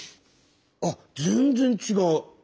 あ全然違う。